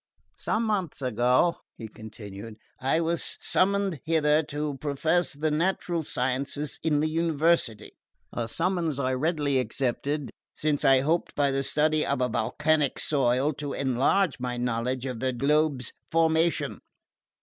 "Some months ago," he continued, "I was summoned hither to profess the natural sciences in the University; a summons I readily accepted, since I hoped, by the study of a volcanic soil, to enlarge my knowledge of the globe's formation.